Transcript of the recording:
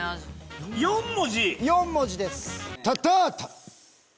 ４文字⁉４文字です。